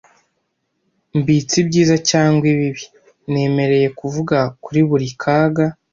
Mbitse ibyiza cyangwa bibi, nemereye kuvuga kuri buri kaga,